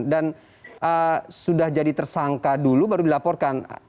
sudah jadi tersangka dulu baru dilaporkan